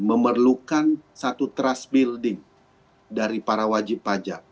memerlukan satu trust building dari para wajib pajak